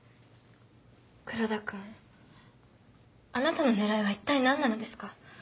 黒田君あなたの狙いは一体何なのですか？